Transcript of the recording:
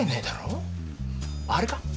あれか？